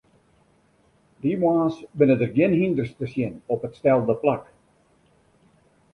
Dy moarns binne der gjin hynders te sjen op it stelde plak.